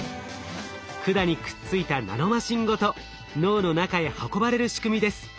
管にくっついたナノマシンごと脳の中へ運ばれる仕組みです。